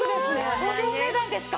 このお値段ですか！